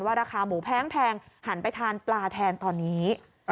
ราคาหมูแพงหันไปทานปลาแทนตอนนี้